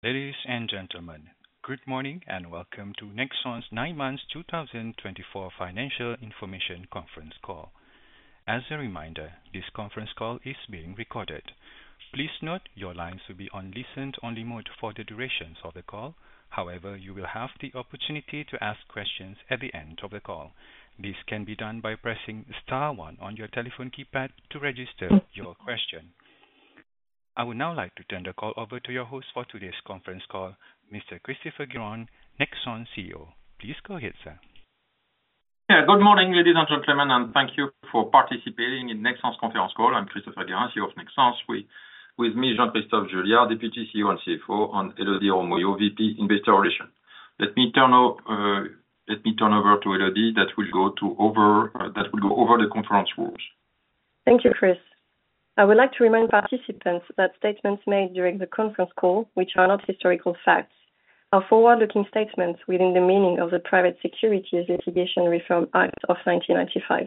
Ladies and gentlemen, good morning and welcome to Nexans nine months 2024 financial information conference call. As a reminder, this conference call is being recorded. Please note your lines will be on listen-only mode for the duration of the call. However, you will have the opportunity to ask questions at the end of the call. This can be done by pressing star one on your telephone keypad to register your question. I would now like to turn the call over to your host for today's conference call, Mr. Christopher Guérin, Nexans CEO. Please go ahead, sir. Good morning, ladies and gentlemen, and thank you for participating in Nexans conference call. I'm Christopher Guérin, CEO of Nexans. With me, Jean-Christophe Juillard, Deputy CEO and CFO, and Élodie Robbe-Mouillot, VP Investor Relations. Let me turn over to Élodie who will go over the conference rules. Thank you, Chris. I would like to remind participants that statements made during the conference call, which are not historical facts, are forward-looking statements within the meaning of the Private Securities Litigation Reform Act of 1995.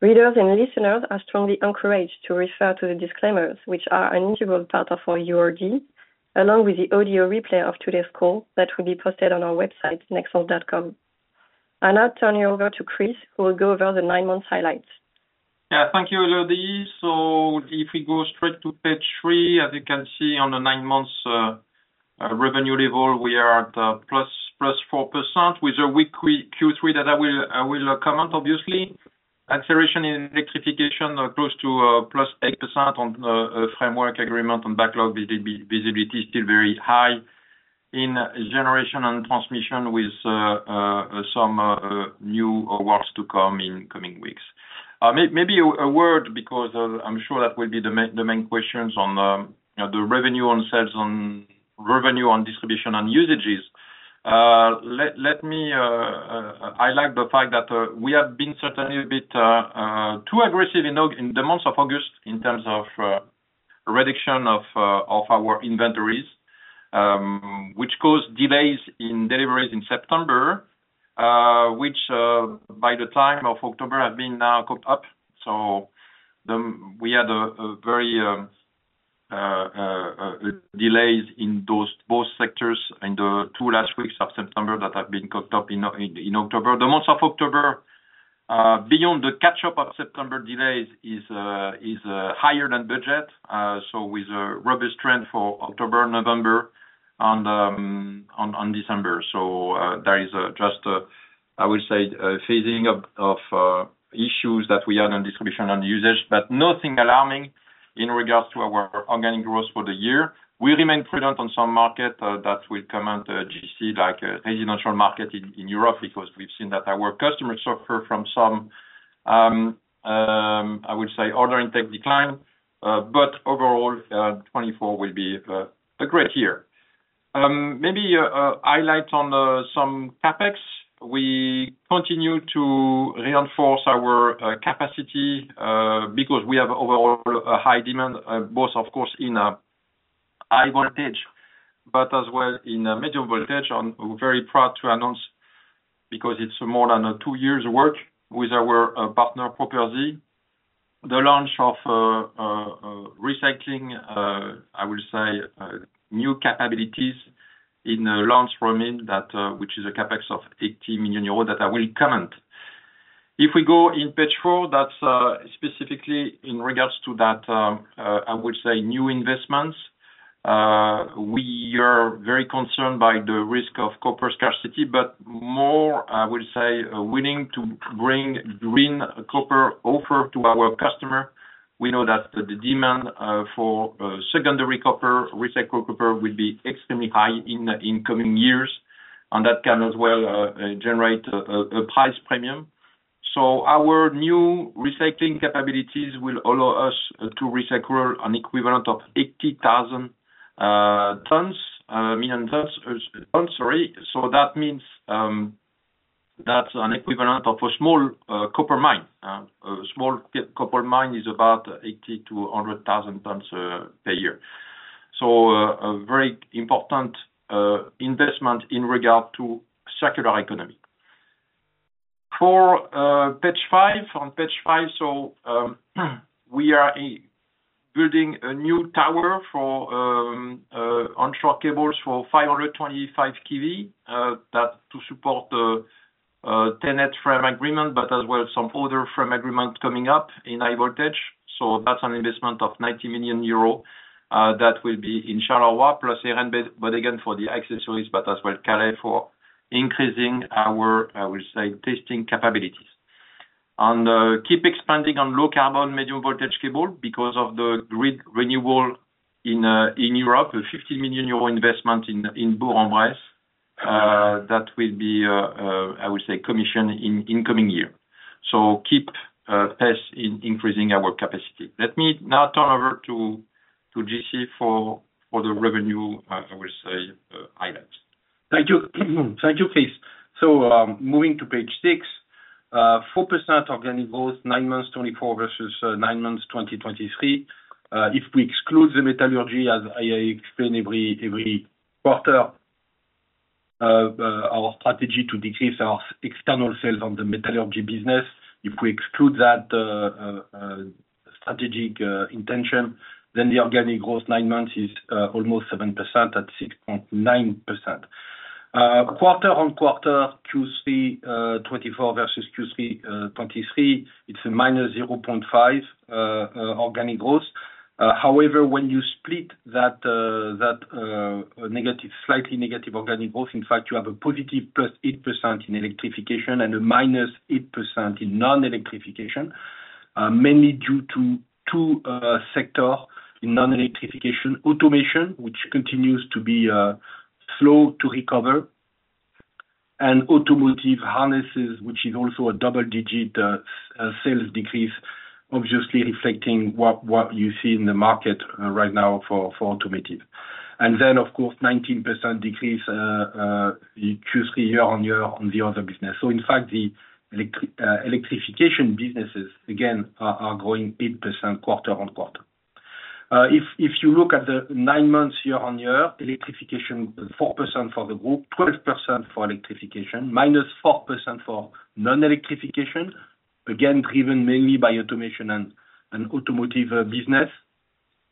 Readers and listeners are strongly encouraged to refer to the disclaimers, which are an integral part of our URD, along with the audio replay of today's call that will be posted on our website, nexans.com. I'll now turn you over to Chris, who will go over the nine months' highlights. Thank you, Élodie. If we go straight to page three, as you can see on the nine months' revenue level, we are at +4% with a weak Q3 that I will comment, obviously. Acceleration in Electrification close to +8% on framework agreement and backlog visibility still very high in Generation and Transmission with some new works to come in coming weeks. Maybe a word, because I'm sure that will be the main questions on the revenue on sales and revenue on Distribution and Usages. I like the fact that we have been certainly a bit too aggressive in the months of August in terms of reduction of our inventories, which caused delays in deliveries in September, which by the time of October have been now caught up. We had severe delays in those both sectors in the two last weeks of September that have been caught up in October. The month of October, beyond the catch-up of September delays, is higher than budget with a robust trend for October, November, and December. There is just, I will say, phasing of issues that we had on Distribution and Usages, but nothing alarming in regards to our organic growth for the year. We remain prudent on some markets that will come out, e.g. like residential market in Europe, because we've seen that our customers suffer from some, I would say, order intake decline. But overall, 2024 will be a great year. Maybe a highlight on some CapEx. We continue to reinforce our capacity because we have overall a high demand, both, of course, in high voltage, but as well in medium voltage. I'm very proud to announce, because it's more than two years' work with our partner, Properzi, the launch of recycling, I will say, new capabilities in Lens, in fact, which is a CapEx of 80 million euros that I will comment. If we go in page four, that's specifically in regards to that, I would say, new investments. We are very concerned by the risk of copper scarcity, but more, I would say, willing to bring green copper offer to our customer. We know that the demand for secondary recycled copper will be extremely high in coming years, and that can as well generate a price premium. So our new recycling capabilities will allow us to recycle an equivalent of 80,000 tons. So that means that's an equivalent of a small copper mine. A small copper mine is about 80,000-100,000 tons per year. So a very important investment in regard to circular economy. For page five, we are building a new tower for onshore cables for 525 kV to support the TenneT frame agreement, but as well some older frame agreement coming up in high voltage. So that's an investment of 90 million euros that will be in Charleroi, plus Erembodegem for the accessories, but as well Calais for increasing our, I would say, testing capabilities. And keep expanding on low carbon, medium voltage cable because of the grid renewal in Europe, a 15 million euro investment in Bourg-en-Bresse that will be, I would say, commissioned in incoming year. So keep pace in increasing our capacity. Let me now turn over to JC for the revenue, I will say, highlights. Thank you. Thank you, Chris. So moving to page six, 4% organic growth, nine months 2024 versus nine months 2023. If we exclude the Metallurgy, as I explain every quarter, our strategy to decrease our external sales on the Metallurgy business, if we exclude that strategic intention, then the organic growth nine months is almost 7% at 6.9%. Quarter-on-quarter, Q3 2024 versus Q3 2023, it's a -0.5% organic growth. However, when you split that negative, slightly negative organic growth, in fact, you have a positive +8% in Electrification and a -8% in non-Electrification, mainly due to two sectors in non-Electrification, Automation, which continues to be slow to recover, and Automotive Harnesses, which is also a double-digit sales decrease, obviously reflecting what you see in the market right now for automotive. And then, of course, 19% decrease Q3 year on year on the other business. So in fact, the Electrification businesses, again, are growing 8% quarter-on-quarter. If you look at the nine months year on year, Electrification 4% for the group, 12% for Electrification, -4% for non-Electrification, again, driven mainly by automation and automotive business,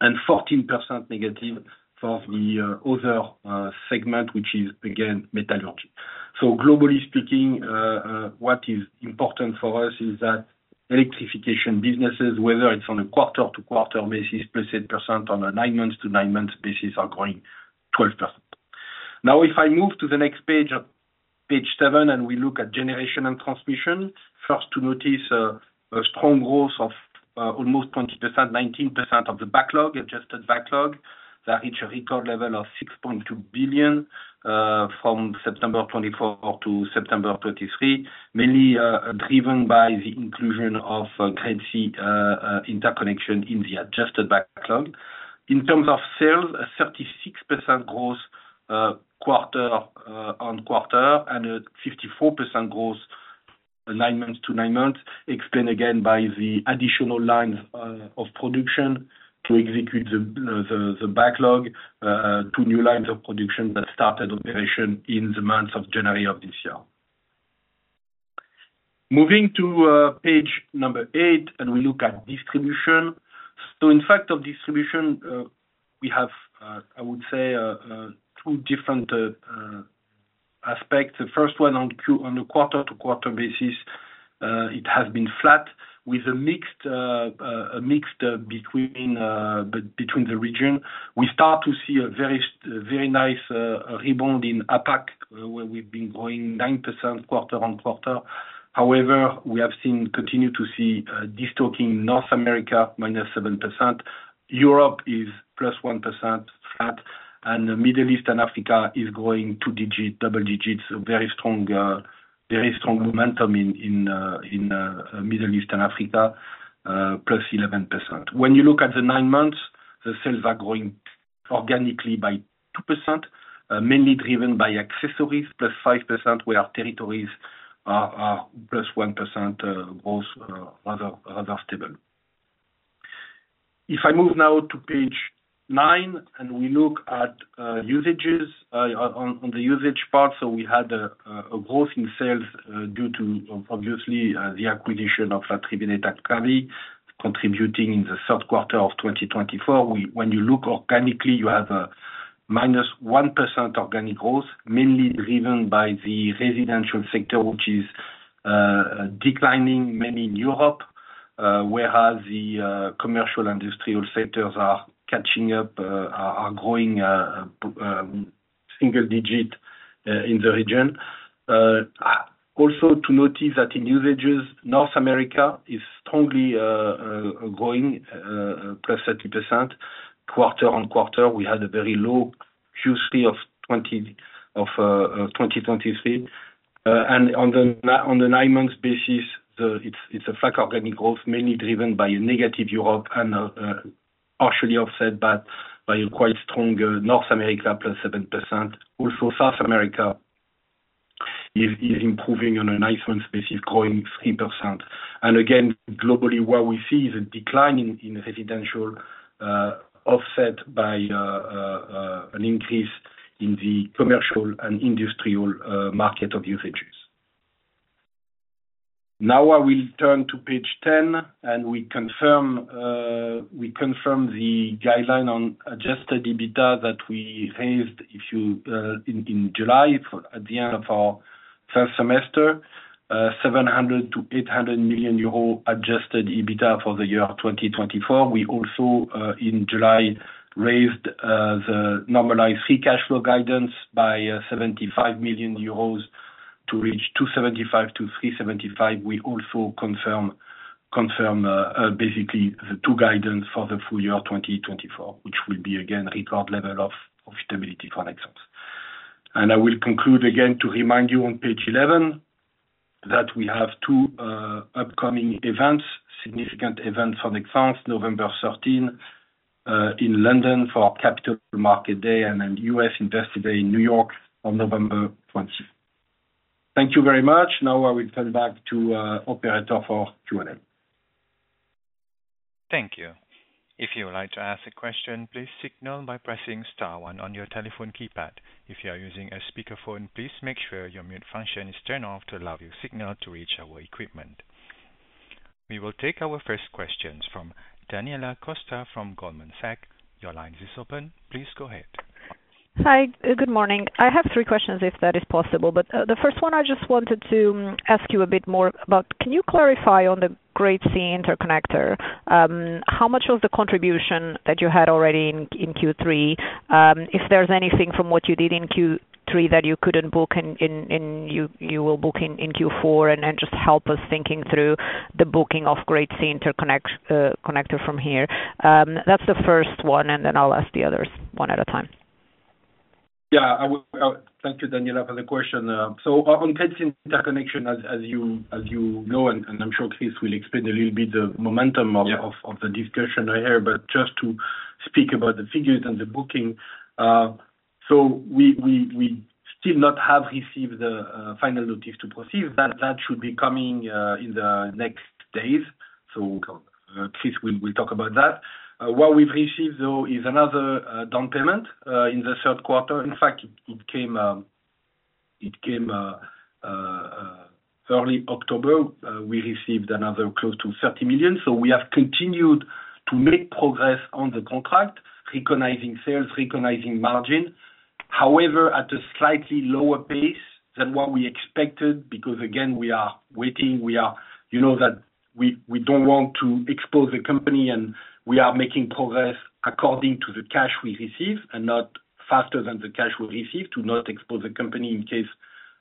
and 14% for the other segment, which is, again, Metallurgy. So globally speaking, what is important for us is that Electrification businesses, whether it's on a quarter-to-quarter basis, +8% on a nine-month-to-nine-month basis, are growing 12%. Now, if I move to the next page, page seven, and we look at Generation and Transmission, first to notice a strong growth of almost 20%, 19% of the backlog, adjusted backlog, that reached a record level of 6.2 billion from September 2024 to September 2023, mainly driven by the inclusion of Great Sea Interconnection in the adjusted backlog. In terms of sales, a 36% growth quarter-on-quarter and a 54% growth nine months to nine months, explained again by the additional lines of production to execute the backlog to new lines of production that started operation in the months of January of this year. Moving to page number eight, and we look at distribution. So in fact, of distribution, we have, I would say, two different aspects. The first one, on the quarter-to-quarter basis, it has been flat with a mix between the regions. We start to see a very nice rebound in APAC, where we've been growing 9% quarter-on-quarter. However, we have seen continue to see deteriorating North America, -7%. Europe is +1%, flat, and the Middle East and Africa is growing double digits, very strong momentum in Middle East and Africa, +11%. When you look at the nine months, the sales are growing organically by 2%, mainly driven by accessories +5%, where territories are +1%, growth rather stable. If I move now to page nine, and we look at Usages on the Usages part, so we had a growth in sales due to, obviously, the acquisition of La Triveneta Cavi and Calais contributing in the third quarter of 2024. When you look organically, you have a -1% organic growth, mainly driven by the residential sector, which is declining, mainly in Europe, whereas the commercial industrial sectors are catching up, are growing single digit in the region. Also to notice that in Usages, North America is strongly growing +30%. Quarter-on-quarter, we had a very low Q3 of 2023. And on the nine-month basis, it's a flat organic growth, mainly driven by a negative Europe and partially offset by a quite strong North America, +7%. Also, South America is improving on a nine-month basis, growing 3%. And again, globally, what we see is a decline in residential offset by an increase in the commercial and industrial market of usages. Now, I will turn to page 10, and we confirm the guideline on Adjusted EBITDA that we raised in July at the end of our first semester, 700 million-800 million euro Adjusted EBITDA for the year 2024. We also, in July, raised the normalized free cash flow guidance by 75 million euros to reach 275 to 375. We also confirm basically the two guidance for the full-year 2024, which will be, again, record level of profitability for Nexans. And I will conclude again to remind you on page 11 that we have two upcoming events, significant events for Nexans, November 13 in London for Capital Markets Day and then U.S. Investor Day in New York on November 20. Thank you very much. Now, I will turn back to operator for Q&A. Thank you. If you would like to ask a question, please signal by pressing star one on your telephone keypad. If you are using a speakerphone, please make sure your mute function is turned off to allow your signal to reach our equipment. We will take our first questions from Daniela Costa from Goldman Sachs. Your line is open. Please go ahead. Hi, good morning. I have three questions, if that is possible. But the first one, I just wanted to ask you a bit more about, can you clarify on the Great Sea Interconnector? How much was the contribution that you had already in Q3? If there's anything from what you did in Q3 that you couldn't book and you will book in Q4, and just help us thinking through the booking of Great Sea Interconnector from here. That's the first one, and then I'll ask the others one at a time. Yeah, thank you, Daniela, for the question. So on Great Sea Interconnection, as you know, and I'm sure Chris will explain a little bit the momentum of the discussion here, but just to speak about the figures and the booking. So we still not have received the final notice to proceed. That should be coming in the next days. So Chris will talk about that. What we've received, though, is another down payment in the third quarter. In fact, it came early October. We received another close to 30 million. So we have continued to make progress on the contract, recognizing sales, recognizing margin. However, at a slightly lower pace than what we expected, because again, we are waiting. We know that we don't want to expose the company, and we are making progress according to the cash we receive and not faster than the cash we receive to not expose the company in case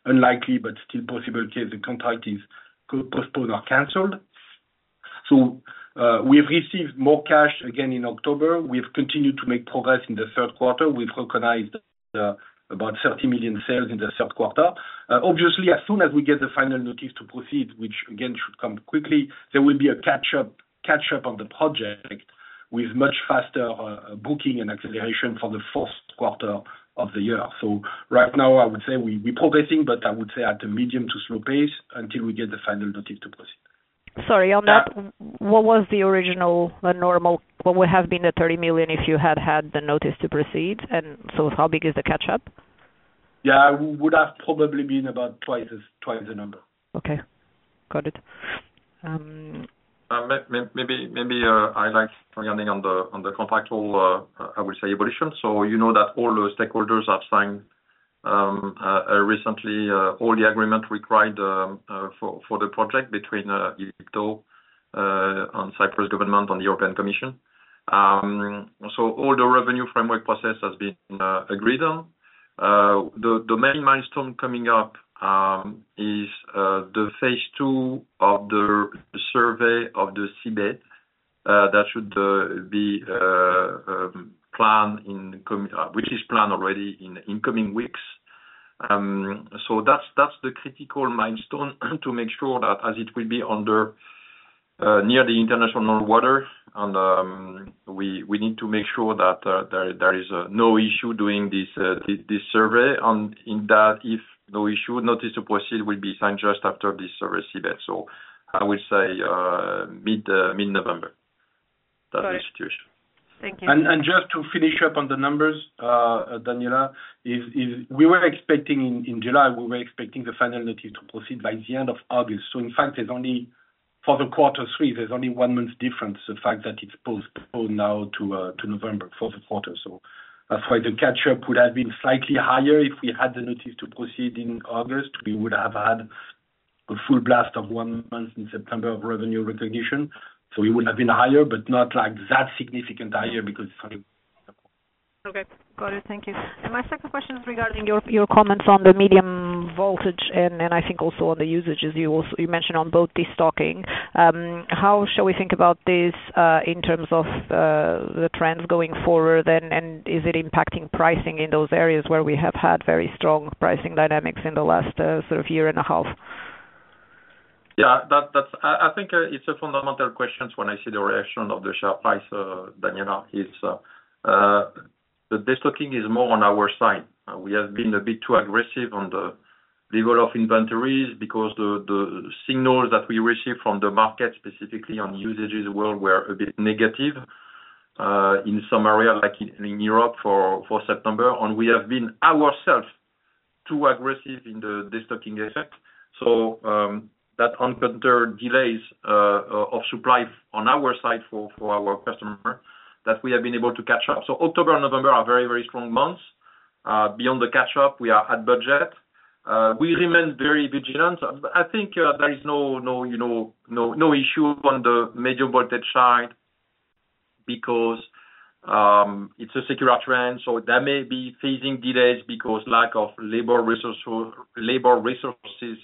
unlikely, but still possible, case the contract is postponed or canceled, so we've received more cash again in October. We've continued to make progress in the third quarter. We've recognized about 30 million sales in the third quarter. Obviously, as soon as we get the final notice to proceed, which again should come quickly, there will be a catch-up on the project with much faster booking and acceleration for the fourth quarter of the year, so right now, I would say we're progressing, but I would say at a medium to slow pace until we get the final notice to proceed. Sorry, on that, what was the original normal? What would have been the 30 million if you had had the notice to proceed? And so, how big is the catch-up? Yeah, it would have probably been about twice the number. Okay. Got it. Maybe I like to running on the contractual, I would say, evolution. You know that all the stakeholders have signed recently all the agreement required for the project between IPTO and Cyprus government and the European Commission. All the revenue framework process has been agreed on. The main milestone coming up is the phase two of the survey of the seabed that should be planned, which is planned already in incoming weeks. That's the critical milestone to make sure that as it will be under near the international water, and we need to make sure that there is no issue doing this survey. And in that, if no issue, notice to proceed will be signed just after this survey seabed. I would say mid-November, that institution. Thank you. Just to finish up on the numbers, Daniela, we were expecting in July, we were expecting the final notice to proceed by the end of August. So in fact, there's only for the quarter three, there's only one month difference, the fact that it's postponed now to November for the quarter. So that's why the catch-up would have been slightly higher. If we had the notice to proceed in August, we would have had a full blast of one month in September of revenue recognition. So it would have been higher, but not like that significant higher because it's only. Okay. Got it. Thank you. And my second question is regarding your comments on the medium voltage and I think also on the usages you mentioned on both the stocking. How shall we think about this in terms of the trends going forward, and is it impacting pricing in those areas where we have had very strong pricing dynamics in the last sort of year and a half? Yeah, I think it's a fundamental question when I see the reaction of the share price, Daniela. The destocking is more on our side. We have been a bit too aggressive on the level of inventories because the signals that we received from the market, specifically on Usages world, were a bit negative in some areas like in Europe for September. And we have been ourselves too aggressive in the destocking effect. So that encountered delays of supply on our side for our customer that we have been able to catch up. So October and November are very, very strong months. Beyond the catch-up, we are at budget. We remain very vigilant. I think there is no issue on the medium voltage side because it's a secure trend. So there may be phasing delays because lack of labor resources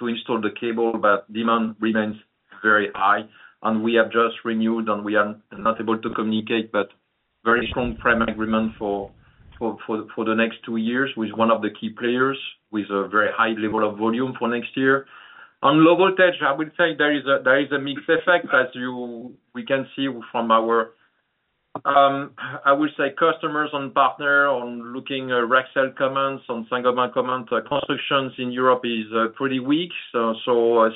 to install the cable, but demand remains very high. We have just renewed, and we are not able to communicate, but very strong pricing agreement for the next two years with one of the key players with a very high level of volume for next year. On low voltage, I would say there is a mixed effect as we can see from our, I would say, customers and partners on looking at Rexel and Saint-Gobain commands. Construction in Europe is pretty weak, so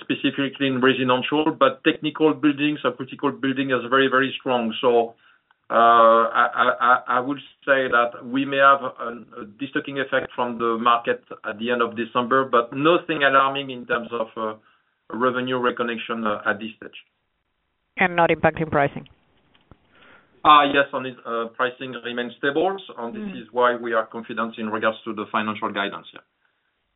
specifically in residential, but technical buildings and critical buildings are very, very strong. So I would say that we may have a de-stocking effect from the market at the end of December, but nothing alarming in terms of revenue recognition at this stage. Not impacting pricing? Yes, pricing remains stable, and this is why we are confident in regards to the financial guidance.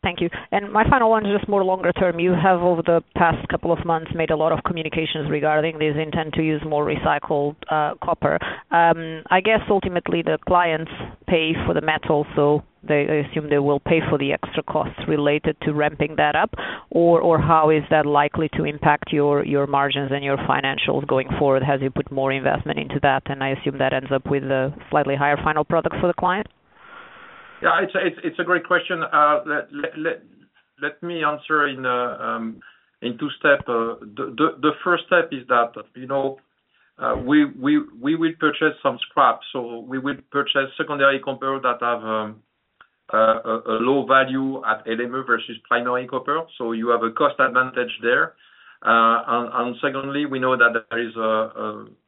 Thank you. And my final one is just more longer term. You have, over the past couple of months, made a lot of communications regarding this intent to use more recycled copper. I guess ultimately, the clients pay for the metal, so they assume they will pay for the extra costs related to ramping that up. Or how is that likely to impact your margins and your financials going forward? Have you put more investment into that? And I assume that ends up with a slightly higher final product for the client. Yeah, it's a great question. Let me answer in two steps. The first step is that we will purchase some scraps. So we will purchase secondary copper that have a low value at LME versus primary copper. So you have a cost advantage there. And secondly, we know that there is.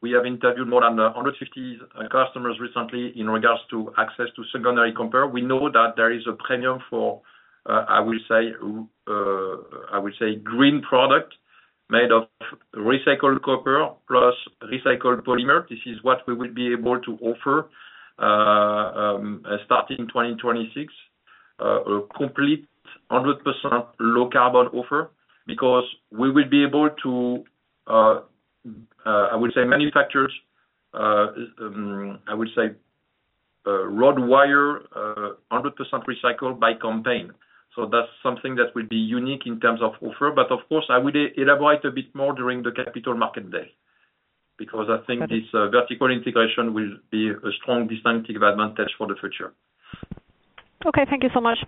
We have interviewed more than 150 customers recently in regards to access to secondary copper. We know that there is a premium for, I will say, green product made of recycled copper plus recycled polymer. This is what we would be able to offer starting 2026, a complete 100% low carbon offer because we will be able to, I would say, manufacture, I would say, rod wire 100% recycled by Nexans. So that's something that will be unique in terms of offer. But of course, I would elaborate a bit more during the Capital Markets Day because I think this vertical integration will be a strong distinctive advantage for the future. Okay. Thank you so much.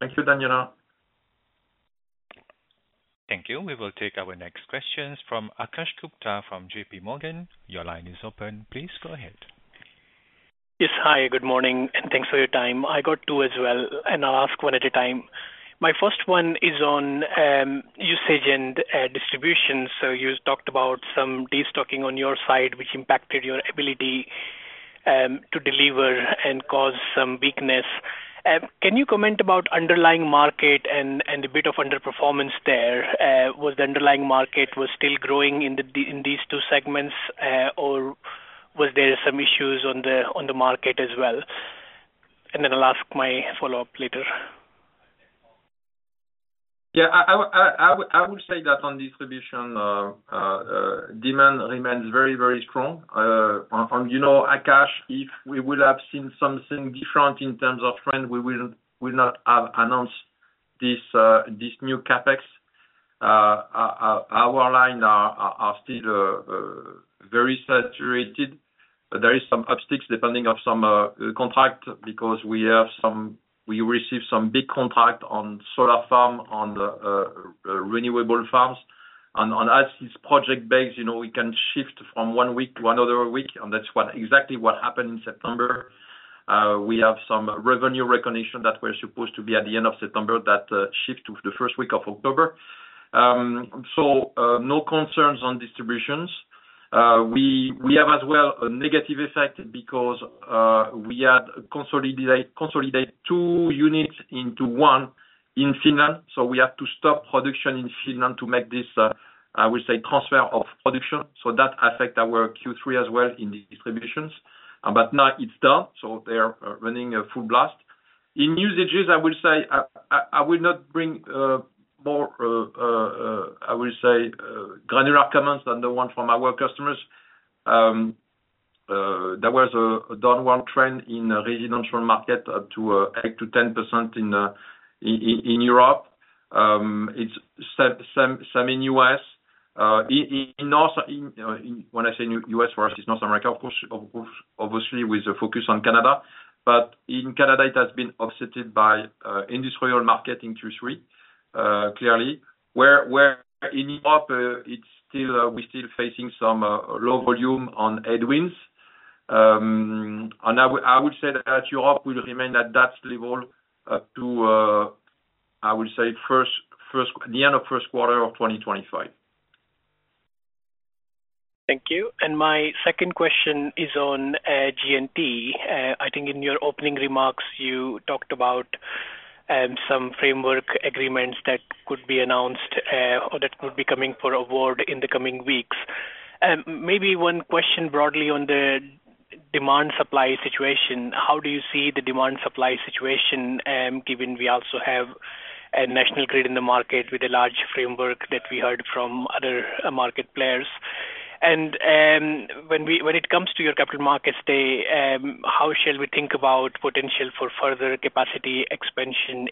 Thank you, Daniela. Thank you. We will take our next questions from Akash Gupta from JP Morgan. Your line is open. Please go ahead. Yes. Hi, good morning, and thanks for your time. I got two as well, and I'll ask one at a time. My first one is on Usages and Distribution. So you talked about some de-stocking on your side, which impacted your ability to deliver and caused some weakness. Can you comment about the underlying market and a bit of underperformance there? Was the underlying market still growing in these two segments, or was there some issues on the market as well? And then I'll ask my follow-up later. Yeah, I would say that on distribution, demand remains very, very strong. On Akash, if we would have seen something different in terms of trend, we would not have announced this new CapEx. Our lines are still very saturated. There are some upticks depending on some contract because we received some big contract on solar farms on renewable farms, and as it's project-based, we can shift from one week to another week, and that's exactly what happened in September. We have some revenue recognition that we're supposed to be at the end of September that shift to the first week of October, so no concerns on distributions. We have as well a negative effect because we had consolidated two units into one in Finland, so we have to stop production in Finland to make this, I would say, transfer of production, so that affects our Q3 as well in distributions. But now it's done. So they're running a full blast. In Usages, I will say, I will not bring more, I will say, granular comments than the one from our customers. There was a downward trend in residential market up to 8%-10% in Europe. It's same in U.S. When I say U.S., for us, it's North America, of course, obviously with a focus on Canada. But in Canada, it has been offset by industrial market in Q3, clearly. Where in Europe, we're still facing some low volume on headwinds. And I would say that Europe will remain at that level up to, I would say, the end of first quarter of 2025. Thank you. And my second question is on G&T. I think in your opening remarks, you talked about some framework agreements that could be announced or that could be coming forward in the coming weeks. Maybe one question broadly on the demand-supply situation. How do you see the demand-supply situation given we also have a national grid in the market with a large framework that we heard from other market players? And when it comes to your Capital Markets Day, how shall we think about potential for further capacity expansion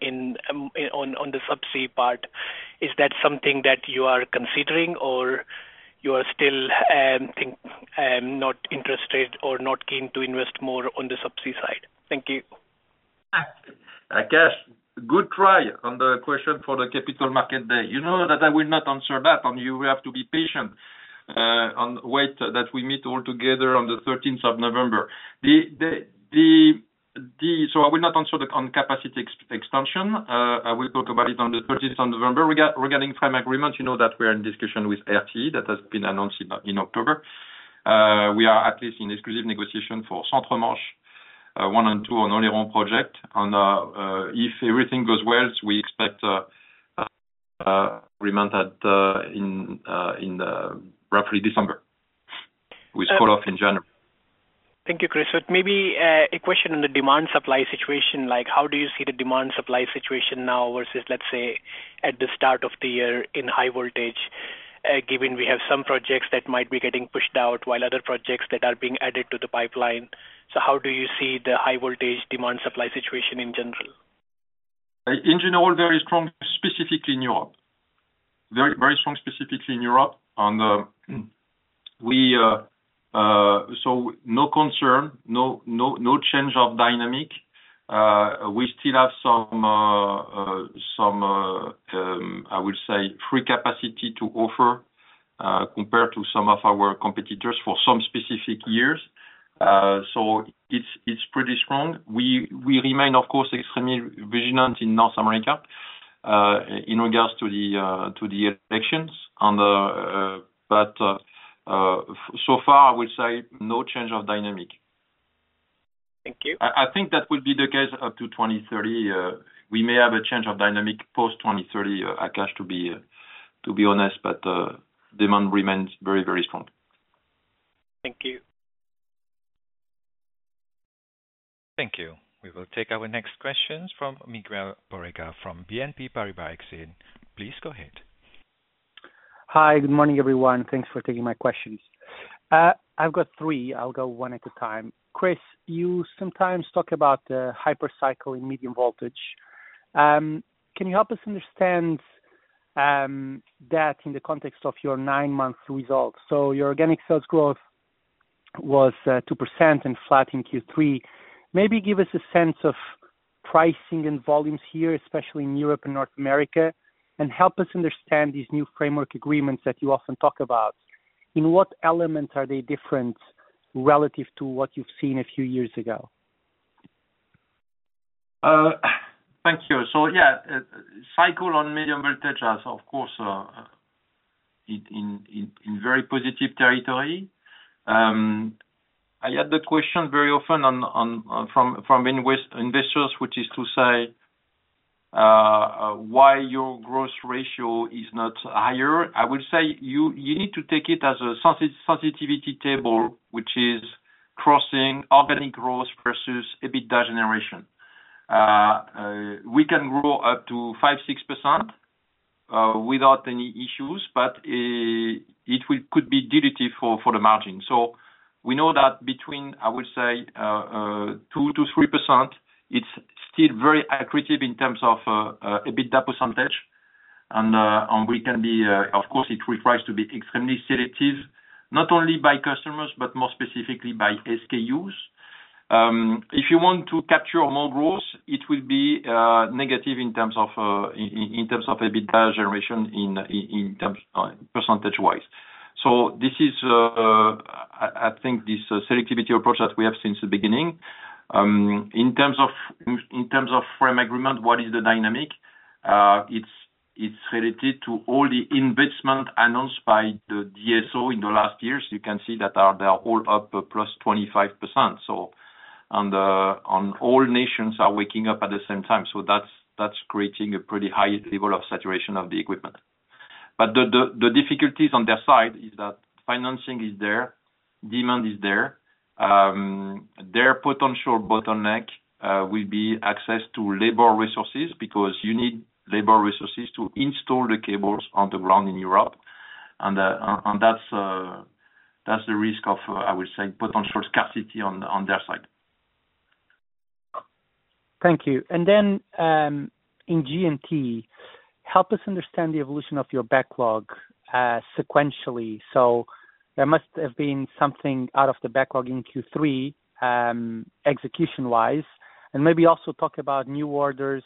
on the subsea part? Is that something that you are considering, or you are still not interested or not keen to invest more on the subsea side? Thank you. I guess good try on the question for the Capital Markets Day. You know that I will not answer that, and you have to be patient on the wait that we meet all together on the 13th of November. So I will not answer on capacity expansion. I will talk about it on the 13th of November. Regarding prime agreement, you know that we are in discussion with RTE that has been announced in October. We are at least in exclusive negotiation for Centre Manche One and Two on only one project. And if everything goes well, we expect agreement in roughly December with follow-up in January. Thank you, Christopher. Maybe a question on the demand-supply situation. How do you see the demand-supply situation now versus, let's say, at the start of the year in high voltage, given we have some projects that might be getting pushed out while other projects that are being added to the pipeline? So how do you see the high voltage demand-supply situation in general? In general, very strong, specifically in Europe. Very, very strong, specifically in Europe. And so no concern, no change of dynamic. We still have some, I would say, free capacity to offer compared to some of our competitors for some specific years. So it's pretty strong. We remain, of course, extremely vigilant in North America in regards to the elections. But so far, I would say no change of dynamic. Thank you. I think that would be the case up to 2030. We may have a change of dynamic post 2030, Akash, to be honest, but demand remains very, very strong. Thank you. Thank you. We will take our next questions from Miguel Borrega from BNP Paribas Exane. Please go ahead. Hi, good morning, everyone. Thanks for taking my questions. I've got three. I'll go one at a time. Chris, you sometimes talk about the hypercycle in medium voltage. Can you help us understand that in the context of your nine-month result? So your organic sales growth was 2% and flat in Q3. Maybe give us a sense of pricing and volumes here, especially in Europe and North America, and help us understand these new framework agreements that you often talk about. In what elements are they different relative to what you've seen a few years ago? Thank you. So yeah, cycle on medium voltage has, of course, in very positive territory. I had the question very often from investors, which is to say, why your growth ratio is not higher? I would say you need to take it as a sensitivity table, which is crossing organic growth versus EBITDA generation. We can grow up to 5%-6% without any issues, but it could be dilutive for the margin. So we know that between, I would say, 2%-3%, it's still very accretive in terms of EBITDA percentage. And we can be, of course, it requires to be extremely selective, not only by customers, but more specifically by SKUs. If you want to capture more growth, it will be negative in terms of EBITDA generation in terms of percentage-wise. So this is, I think, this selectivity approach that we have since the beginning. In terms of prime agreement, what is the dynamic? It's related to all the investment announced by the DSO in the last years. You can see that they are all up +25%. And all nations are waking up at the same time. So that's creating a pretty high level of saturation of the equipment. But the difficulties on their side is that financing is there, demand is there. Their potential bottleneck will be access to labor resources because you need labor resources to install the cables on the ground in Europe. And that's the risk of, I would say, potential scarcity on their side. Thank you. And then in G&T, help us understand the evolution of your backlog sequentially. So there must have been something out of the backlog in Q3 execution-wise. And maybe also talk about new orders.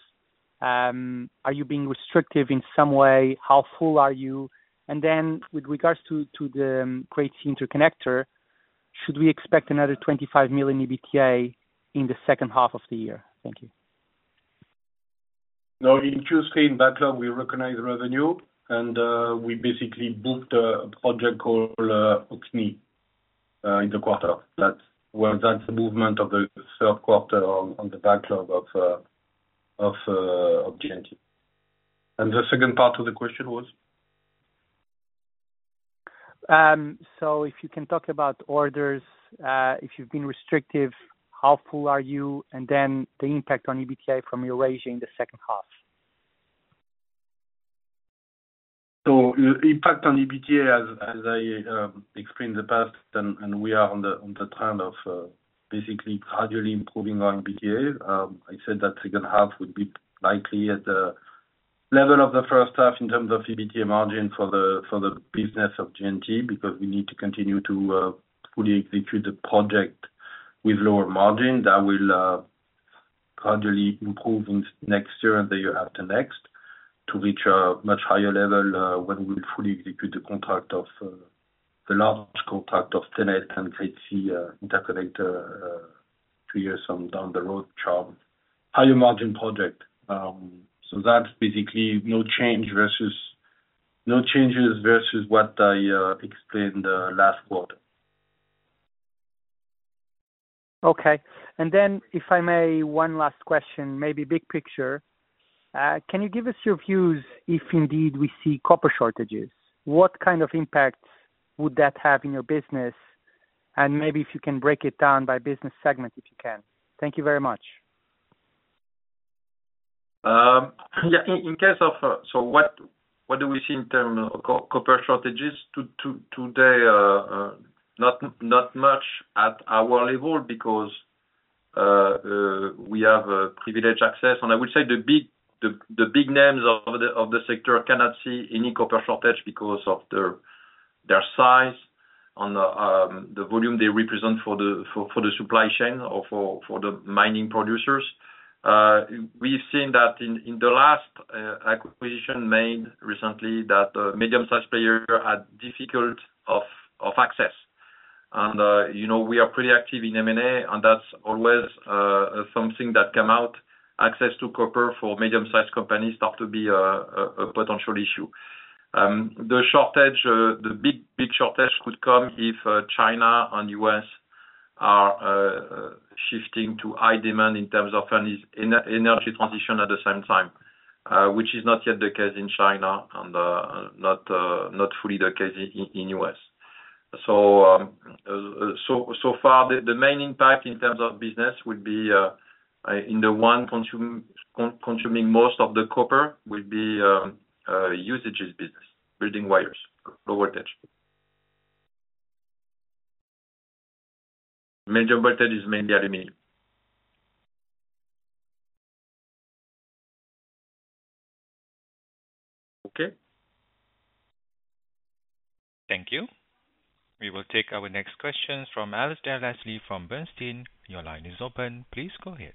Are you being restrictive in some way? How full are you? And then with regards to the Great interconnector, should we expect another 25 million EBITDA in the second half of the year? Thank you. No, in Q3 in backlog, we recognize revenue, and we basically booked a project called Orkney in the quarter. That's the movement of the third quarter on the backlog of G&T. And the second part of the question was? So if you can talk about orders, if you've been restrictive, how full are you? And then the impact on EBITDA from EuroAsia in the second half. So the impact on EBITDA, as I explained in the past, and we are on the trend of basically gradually improving our EBITDA. I said that second half would be likely at the level of the first half in terms of EBITDA margin for the business of G&T because we need to continue to fully execute the project with lower margin that will gradually improve next year and the year after next to reach a much higher level when we fully execute the contract of the large contract of TenneT and Crete interconnector two years down the road chart. Higher margin project. So that's basically no changes versus what I explained last quarter. Okay. And then if I may, one last question, maybe big picture. Can you give us your views if indeed we see copper shortages? What kind of impact would that have in your business? And maybe if you can break it down by business segment, if you can. Thank you very much. Yeah. In case of so what do we see in terms of copper shortages today? Not much at our level because we have privileged access. And I would say the big names of the sector cannot see any copper shortage because of their size and the volume they represent for the supply chain or for the mining producers. We've seen that in the last acquisition made recently that the medium-sized players are difficult of access. And we are pretty active in M&A, and that's always something that comes out. Access to copper for medium-sized companies starts to be a potential issue. The big shortage could come if China and the U.S. are shifting to high demand in terms of energy transition at the same time, which is not yet the case in China and not fully the case in the U.S. So far, the main impact in terms of business would be in the one consuming most of the copper would be Usages business, building wires, low voltage. Medium voltage is mainly aluminum. Okay. Thank you. We will take our next questions from Alasdair Leslie from Bernstein. Your line is open. Please go ahead.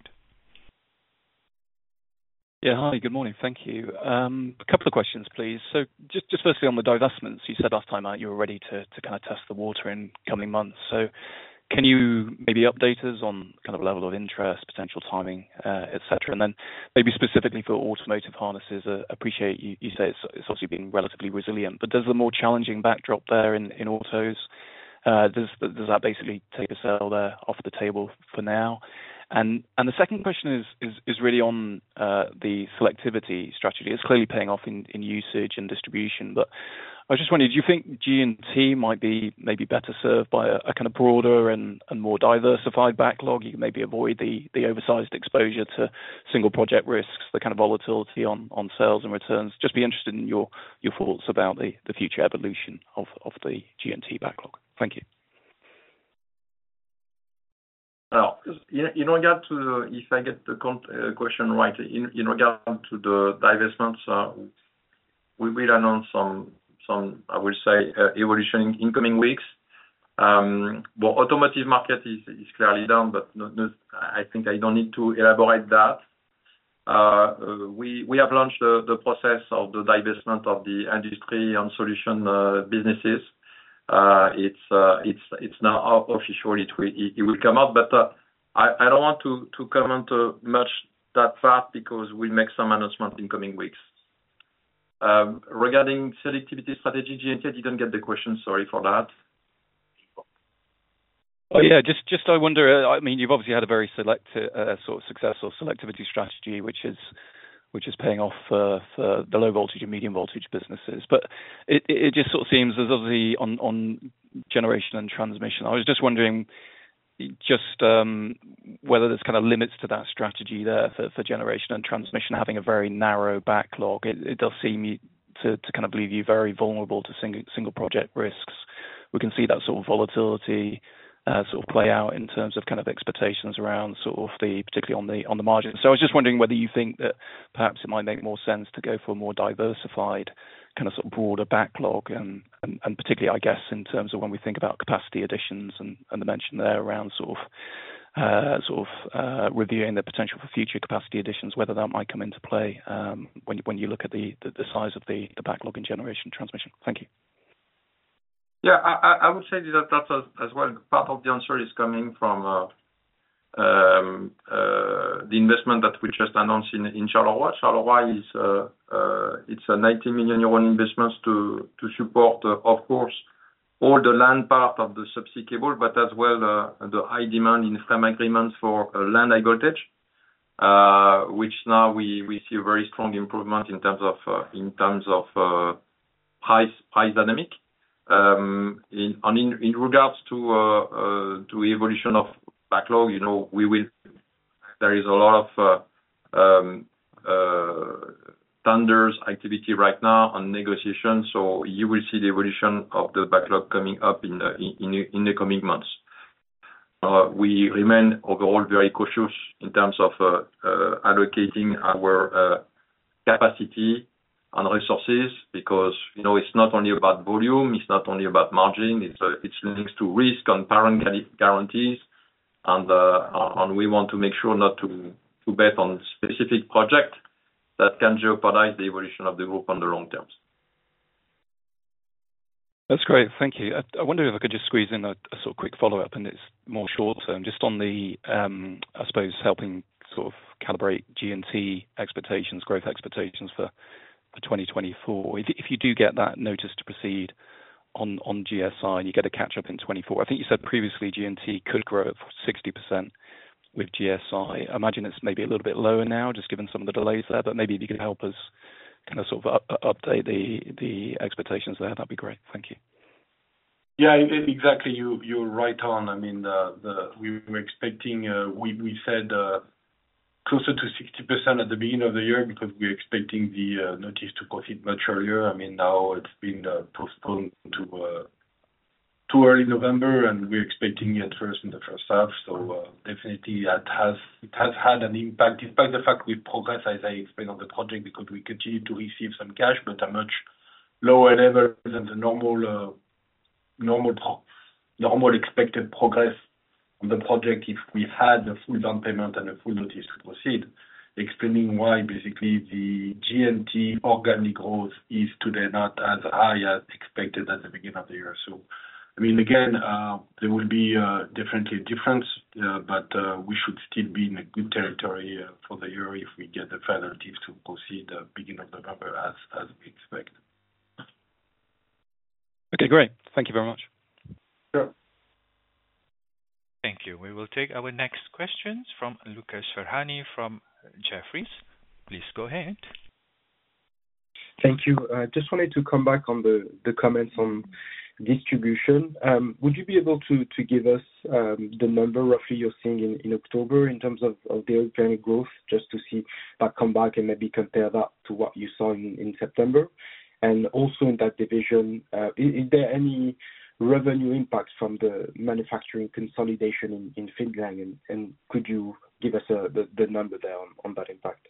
Yeah. Hi. Good morning. Thank you. A couple of questions, please. So just firstly, on the divestments, you said last time you were ready to kind of test the water in coming months. So can you maybe update us on kind of level of interest, potential timing, etc.? And then maybe specifically for Automotive Harnesses, I appreciate you say it's obviously been relatively resilient, but there's a more challenging backdrop there in autos. Does that basically take a sale there off the table for now? And the second question is really on the selectivity strategy. It's clearly paying off in Usages and Distribution, but I was just wondering, do you think G&T might be maybe better served by a kind of broader and more diversified backlog? You can maybe avoid the oversized exposure to single-project risks, the kind of volatility on sales and returns. Just be interested in your thoughts about the future evolution of the G&T backlog. Thank you. In regard to if I get the question right, in regard to the divestments, we will announce some, I would say, evolution in coming weeks. But automotive market is clearly down, but I think I don't need to elaborate that. We have launched the process of the divestment of the Industry and Solutions businesses. It's now official. It will come out, but I don't want to comment much that far because we'll make some announcements in coming weeks. Regarding selectivity strategy, G&T didn't get the question. Sorry for that. Oh, yeah. Just, I wonder. I mean, you've obviously had a very selective sort of success or selectivity strategy, which is paying off for the low voltage and medium voltage businesses, but it just sort of seems there's obviously on Generation and Transmission. I was just wondering just whether there's kind of limits to that strategy there for Generation and Transmission having a very narrow backlog. It does seem to kind of leave you very vulnerable to single-project risks. We can see that sort of volatility sort of play out in terms of kind of expectations around sort of the particularly on the margins. I was just wondering whether you think that perhaps it might make more sense to go for a more diversified kind of sort of broader backlog, and particularly, I guess, in terms of when we think about capacity additions and the mention there around sort of reviewing the potential for future capacity additions, whether that might come into play when you look at the size of the backlog in Generation and Transmission. Thank you. Yeah. I would say that that's as well. Part of the answer is coming from the investment that we just announced in Charleroi. Charleroi, it's a 90 million euro investment to support, of course, all the land part of the subsea cable, but as well the high demand in frame agreements for land high voltage, which now we see a very strong improvement in terms of price dynamic. And in regards to the evolution of backlog, we will there is a lot of tenders activity right now on negotiation. So you will see the evolution of the backlog coming up in the coming months. We remain overall very cautious in terms of allocating our capacity and resources because it's not only about volume. It's not only about margin. It's linked to risk and parent guarantees. We want to make sure not to bet on specific projects that can jeopardize the evolution of the group on the long term. That's great. Thank you. I wonder if I could just squeeze in a sort of quick follow-up, and it's more short term. Just on the, I suppose, helping sort of calibrate G&T expectations, growth expectations for 2024. If you do get that notice to proceed on GSI and you get a catch-up in 2024, I think you said previously G&T could grow at 60% with GSI. I imagine it's maybe a little bit lower now, just given some of the delays there. But maybe if you could help us kind of sort of update the expectations there, that'd be great. Thank you. Yeah. Exactly. You're right on. I mean, we were expecting we said closer to 60% at the beginning of the year because we're expecting the notice to proceed much earlier. I mean, now it's been postponed to early November, and we're expecting it first in the first half. So definitely, it has had an impact. Despite the fact we've progressed, as I explained on the project, because we continue to receive some cash, but a much lower level than the normal expected progress on the project if we had the full down payment and the full notice to proceed. Explaining why basically the G&T organic growth is today not as high as expected at the beginning of the year. So I mean, again, there will be definitely difference, but we should still be in a good territory for the year if we get the final notice to proceed at the beginning of November as we expect. Okay. Great. Thank you very much. Sure. Thank you. We will take our next questions from Lucas Ferhani from Jefferies. Please go ahead. Thank you. I just wanted to come back on the comments on distribution. Would you be able to give us the number roughly you're seeing in October in terms of the organic growth, just to see that come back and maybe compare that to what you saw in September? And also in that division, is there any revenue impact from the manufacturing consolidation in Finland? And could you give us the number there on that impact?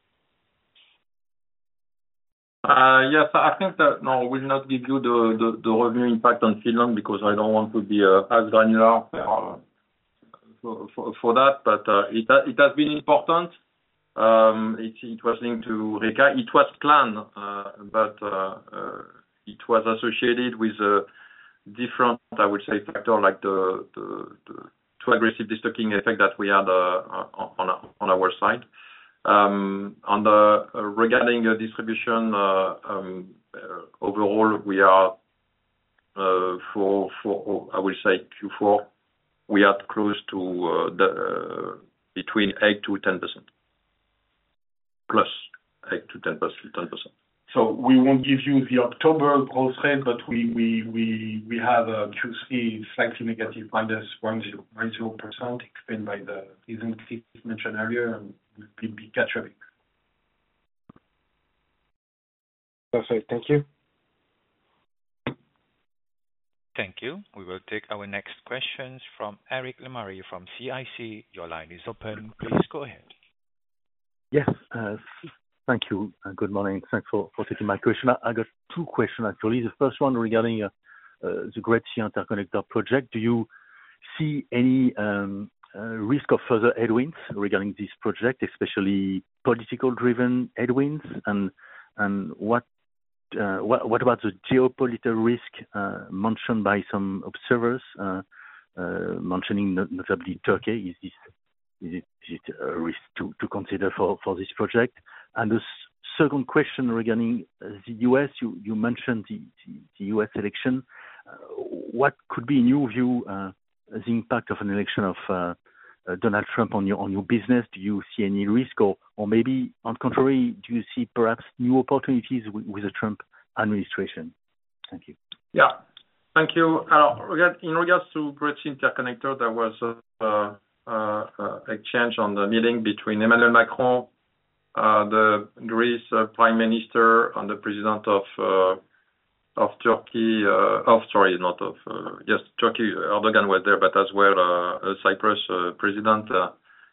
Yes. I think that no, I will not give you the revenue impact on Finland because I don't want to be as granular for that. But it has been important. It's interesting to recap. It was planned, but it was associated with different, I would say, factors like the too aggressive destocking effect that we had on our side. And regarding distribution, overall, we are for, I would say, Q4, we are close to between 8%-10%, +8%-10%. So we won't give you the October growth rate, but we have Q3 slightly negative -10% explained by the reasons Chris mentioned earlier, and we'll be catching up. Perfect. Thank you. Thank you. We will take our next questions from Eric Lemarié from CIC. Your line is open. Please go ahead. Yes. Thank you. Good morning. Thanks for taking my question. I got two questions, actually. The first one regarding the Great Sea Interconnector project. Do you see any risk of further headwinds regarding this project, especially political-driven headwinds? And what about the geopolitical risk mentioned by some observers, mentioning notably Turkey? Is it a risk to consider for this project? And the second question regarding the U.S., you mentioned the U.S. election. What could be, in your view, the impact of an election of Donald Trump on your business? Do you see any risk? Or maybe, on the contrary, do you see perhaps new opportunities with the Trump administration? Thank you. Yeah. Thank you. In regards to Great Sea Interconnector, there was a change on the meeting between Emmanuel Macron, the Greek Prime Minister, and the President of Turkey—oh, sorry, not of—yes, Turkey, Erdoğan was there, but as well Cyprus President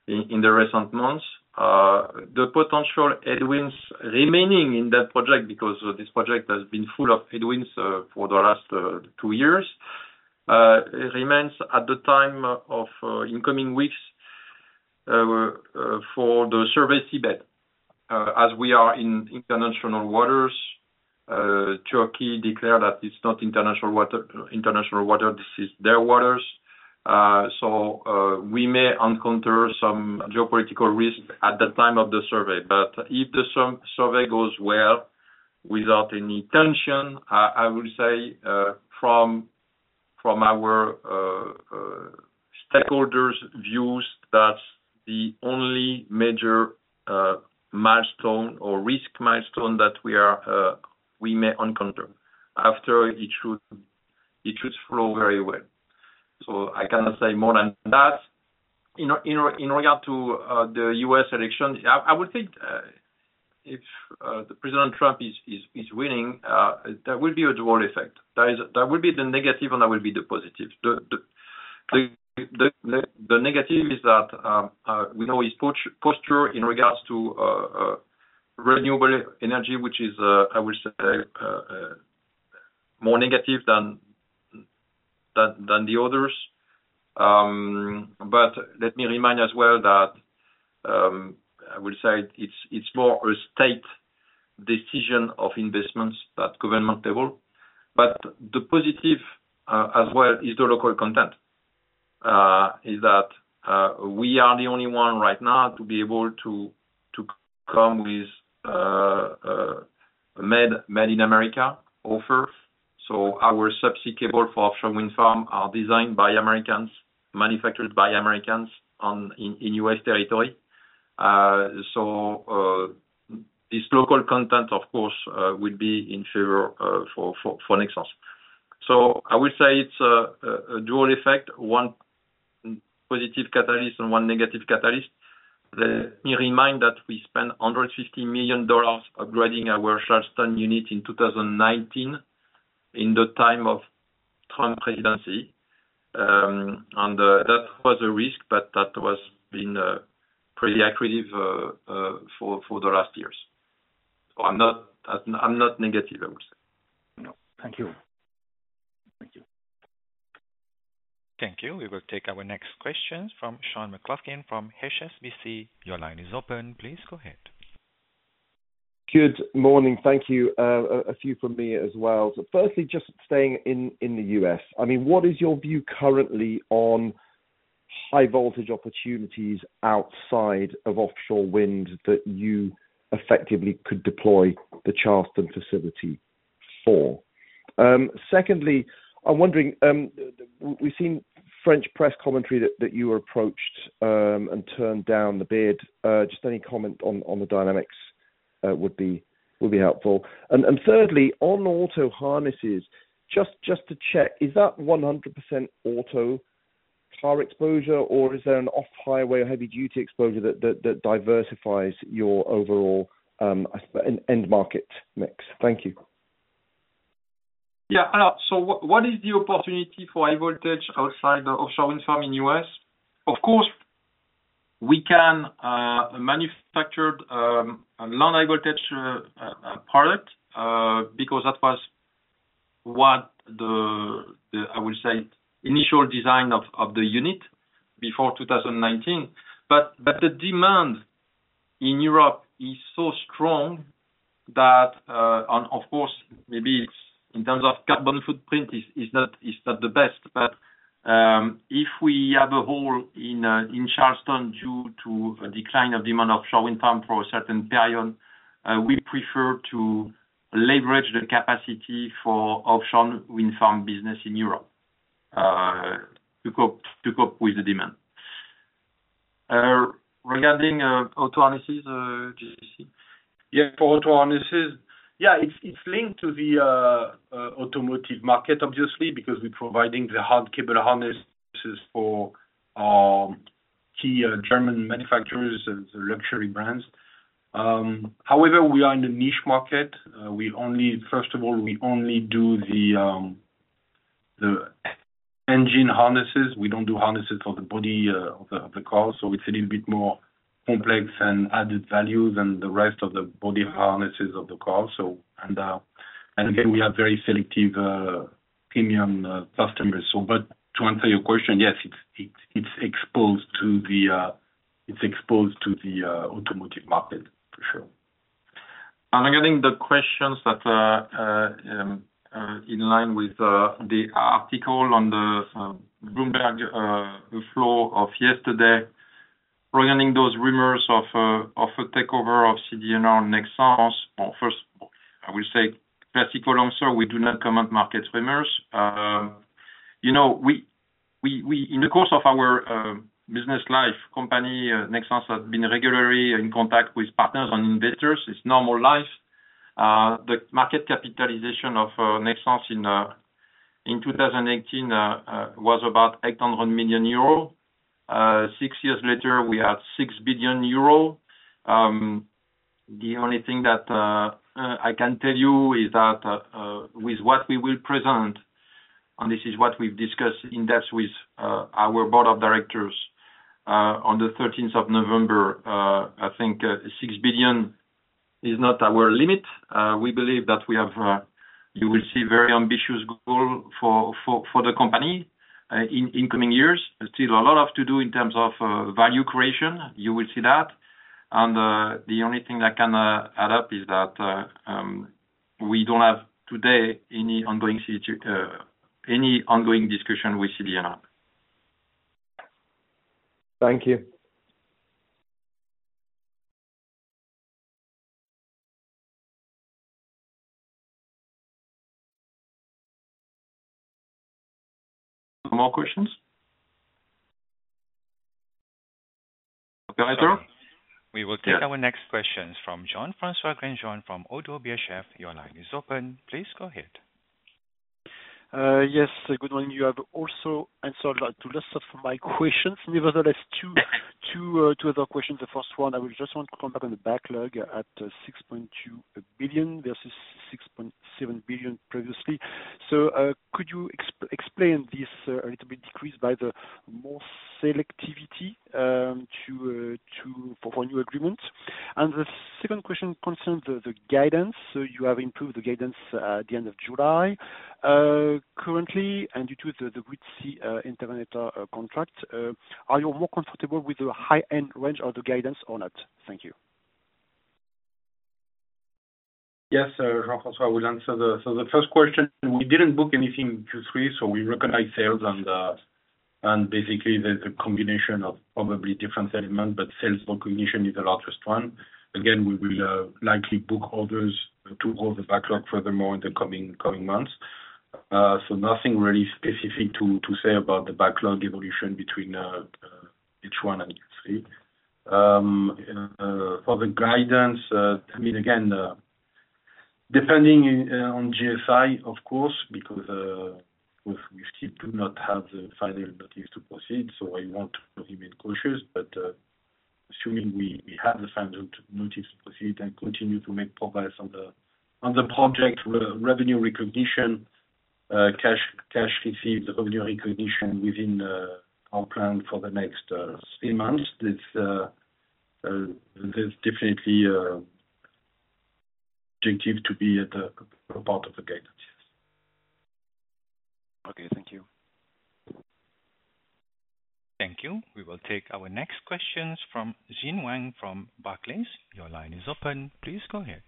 in the recent months. The potential headwinds remaining in that project because this project has been full of headwinds for the last two years, it remains at the time of incoming weeks for the seabed survey. As we are in international waters, Turkey declared that it's not international water. This is their waters. So we may encounter some geopolitical risk at the time of the survey. But if the survey goes well without any tension, I will say from our stakeholders' views, that's the only major milestone or risk milestone that we may encounter. After it should flow very well. So I cannot say more than that. In regard to the U.S. election, I would think if President Trump is winning, there will be a dual effect. There will be the negative and there will be the positive. The negative is that we know his posture in regards to renewable energy, which is, I will say, more negative than the others, but let me remind as well that I will say it's more a state decision of investments at government level, but the positive as well is the local content, is that we are the only one right now to be able to come with a made-in-America offer, so our subsea cable for offshore wind farms are designed by Americans, manufactured by Americans in U.S. territory, so this local content, of course, would be in favor for Nexans, so I will say it's a dual effect, one positive catalyst and one negative catalyst. Let me remind that we spent $150 million upgrading our Charleston unit in 2019 in the time of Trump presidency, and that was a risk, but that was been pretty accurate for the last years, so I'm not negative, I would say. Thank you. Thank you. We will take our next questions from Sean McLoughlin from HSBC. Your line is open. Please go ahead. Good morning. Thank you. A few from me as well. So firstly, just staying in the U.S., I mean, what is your view currently on high-voltage opportunities outside of offshore wind that you effectively could deploy the Charleston facility for? Secondly, I'm wondering, we've seen French press commentary that you were approached and turned down the bid. Just any comment on the dynamics would be helpful. And thirdly, on auto harnesses, just to check, is that 100% auto car exposure, or is there an off-highway or heavy-duty exposure that diversifies your overall end market mix? Thank you. Yeah. So what is the opportunity for high-voltage outside the offshore wind farm in the U.S.? Of course, we can manufacture a long high-voltage product because that was what the, I would say, initial design of the unit before 2019. But the demand in Europe is so strong that, of course, maybe in terms of carbon footprint, it's not the best. But if we have a hole in Charleston due to a decline of demand of offshore wind farm for a certain period, we prefer to leverage the capacity for offshore wind farm business in Europe to cope with the demand. Regarding auto harnesses, JC? Yeah. For auto harnesses, yeah, it's linked to the automotive market, obviously, because we're providing the hard cable harnesses for key German manufacturers, the luxury brands. However, we are in a niche market. First of all, we only do the engine harnesses. We don't do harnesses for the body of the car. So it's a little bit more complex and added value than the rest of the body harnesses of the car. And again, we have very selective premium customers. But to answer your question, yes, it's exposed to the automotive market, for sure. Regarding the questions that are in line with the article on the Bloomberg flow of yesterday, regarding those rumors of a takeover of CD&R and Nexans, well, first, I will say classical answer, we do not comment market rumors. In the course of our business life, company Nexans has been regularly in contact with partners and investors. It's normal life. The market capitalization of Nexans in 2018 was about 800 million euro. Six years later, we had 6 billion euro. The only thing that I can tell you is that with what we will present, and this is what we've discussed in depth with our board of directors on the 13th of November, I think 6 billion is not our limit. We believe that we have you will see a very ambitious goal for the company in incoming years. Still a lot of to-do in terms of value creation. You will see that. And the only thing I can add up is that we don't have today any ongoing discussion with CD&R. Thank you. No more questions? We will take our next questions from Jean-François Granjon from Oddo BHF. Your line is open. Please go ahead. Yes. Good morning. You have also answered the rest of my questions. Nevertheless, two other questions. The first one, I just want to come back on the backlog at 6.2 billion versus 6.7 billion previously. So could you explain this a little bit decreased by the more selectivity for new agreements? And the second question concerns the guidance. So you have improved the guidance at the end of July. Currently, and due to the Greece interconnector contract, are you more comfortable with the high-end range of the guidance or not? Thank you. Yes. Jean-François, I will answer the first question. We didn't book anything Q3, so we recognize sales and basically there's a combination of probably different elements, but sales backlog conversion is the largest one. Again, we will likely book orders to grow the backlog furthermore in the coming months. So nothing really specific to say about the backlog evolution between H1 and Q3. For the guidance, I mean, again, depending on GSI, of course, because we still do not have the final notice to proceed. So I want to remain cautious, but assuming we have the final notice to proceed and continue to make progress on the project revenue recognition, cash receipt, revenue recognition within our plan for the next three months, there's definitely an objective to be a part of the guidance, yes. Okay. Thank you. Thank you. We will take our next questions from Xin Wang from Barclays. Your line is open. Please go ahead.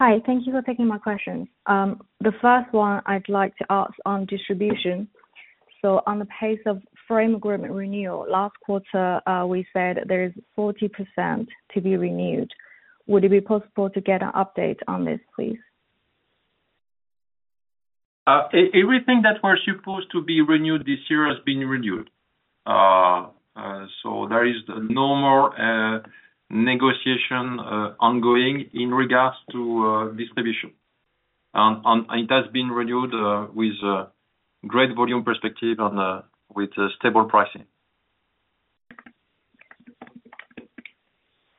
Hi. Thank you for taking my questions. The first one I'd like to ask on distribution. So on the pace of frame agreement renewal, last quarter, we said there is 40% to be renewed. Would it be possible to get an update on this, please? Everything that was supposed to be renewed this year has been renewed, so there is no more negotiation ongoing in regards to distribution, and it has been renewed with great volume perspective and with stable pricing.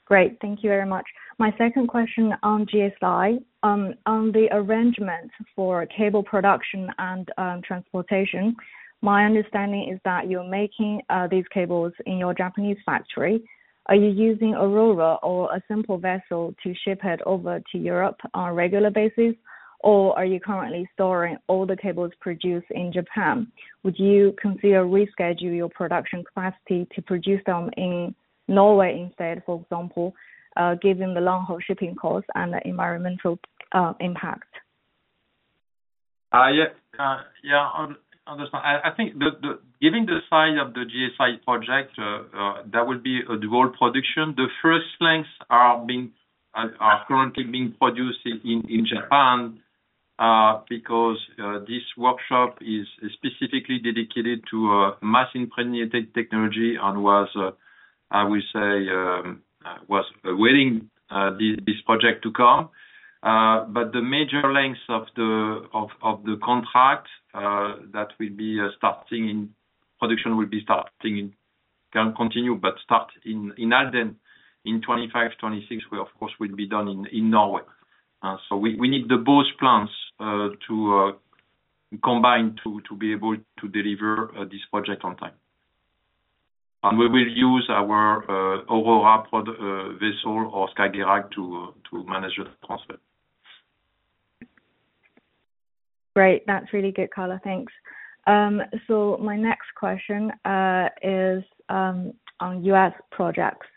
Great. Thank you very much. My second question on GSI, on the arrangements for cable production and transportation, my understanding is that you're making these cables in your Japanese factory. Are you using Aurora or a simple vessel to ship it over to Europe on a regular basis? Or are you currently storing all the cables produced in Japan? Would you consider rescheduling your production capacity to produce them in Norway instead, for example, given the long-haul shipping costs and the environmental impact? Yeah. Yeah. I think given the size of the GSI project, that would be dual production. The first links are currently being produced in Japan because this workshop is specifically dedicated to mass-impregnated technology and was, I will say, awaiting this project to come. But the major links of the contract that will be starting in production can continue, but start in Halden in 2025, 2026, of course, will be done in Norway. So we need both plants to combine to be able to deliver this project on time. And we will use our Aurora vessel or Skagerrak to manage the transfer. Great. That's really good color, thanks. So my next question is on U.S. projects.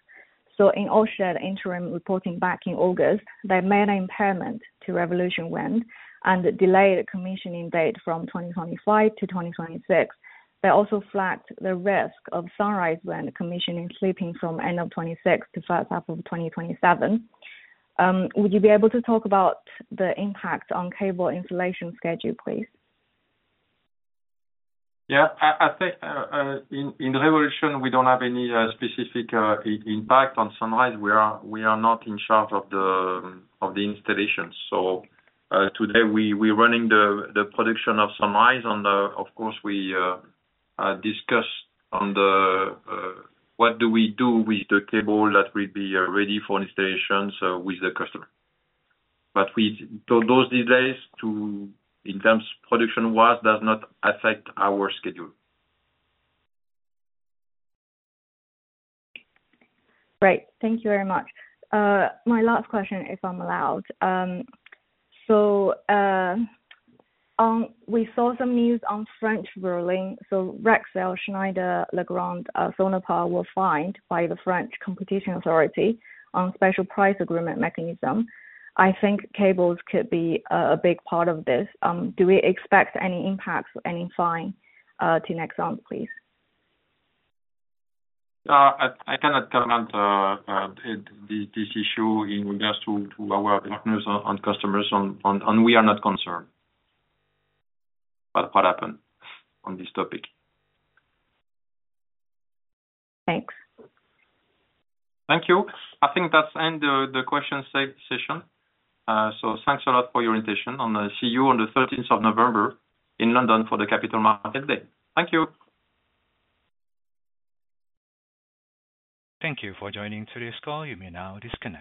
So in Orsted's interim reporting back in August, they made an impairment to Revolution Wind and delayed commissioning date from 2025 to 2026. They also flagged the risk of Sunrise Wind commissioning slipping from end of 2026 to first half of 2027. Would you be able to talk about the impact on cable installation schedule, please? Yeah. I think in Revolution, we don't have any specific impact on Sunrise. We are not in charge of the installation. So today, we're running the production of Sunrise. And of course, we discuss on what do we do with the cable that will be ready for installation with the customer. But those delays in terms of production wise does not affect our schedule. Great. Thank you very much. My last question, if I'm allowed. So we saw some news on French ruling. So Rexel, Schneider, Legrand, Sonepar were fined by the French Competition Authority on special price agreement mechanism. I think cables could be a big part of this. Do we expect any impacts or any fine to Nexans, please? I cannot comment on this issue in regards to our partners and customers, and we are not concerned about what happened on this topic. Thanks. Thank you. I think that's the end of the question session. So thanks a lot for your attention. And see you on the 13th of November in London for the Capital Markets Day. Thank you. Thank you for joining today's call. You may now disconnect.